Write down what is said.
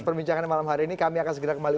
perbincangan malam hari ini kami akan segera kembali